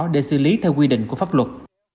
để xử lý theo quy định của pháp luật